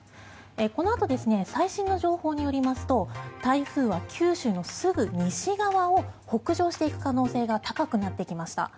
このあと最新の情報によりますと台風は九州のすぐ西側を北上していく可能性が高くなってきました。